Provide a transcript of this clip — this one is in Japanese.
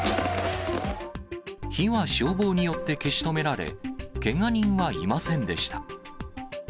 火は消防によって消し止められ、けが人はいませんでした。